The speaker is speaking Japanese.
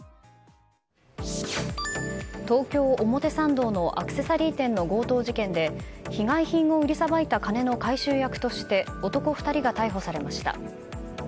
東京・表参道のアクセサリー店の強盗事件で被害品を売りさばいた金の回収役として男２人が逮捕されました。